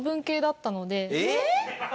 えっ！？